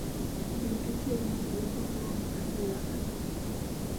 Bintu ki ebimu ku by'okozeewo mu kaseera kano?